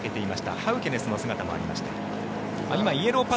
ハウケネスの姿もありました。